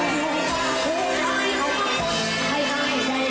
อะไรกัน